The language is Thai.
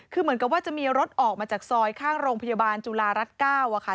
คือเหมือนกับว่าจะมีรถออกมาจากซอยข้างโรงพยาบาลจุฬารัฐ๙ค่ะ